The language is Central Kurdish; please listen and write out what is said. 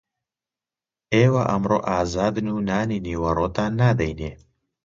ئێوە ئەمڕۆ ئازادن و نانی نیوەڕۆتان نادەینێ